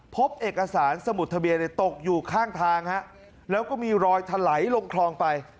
พบเอกสารสมุดทะเบียนตกอยู่ข้างทางฮะแล้วก็มีรอยถลายลงคลองไป